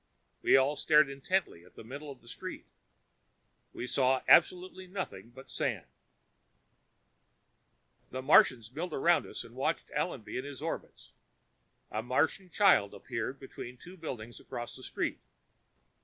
We all stared intently at the middle of the street. We saw absolutely nothing but sand. The Martians milled around us and watched Allenby and his orbits. A Martian child appeared from between two buildings across the street.